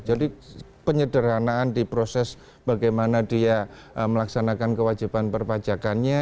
jadi penyederhanaan di proses bagaimana dia melaksanakan kewajiban perpajakannya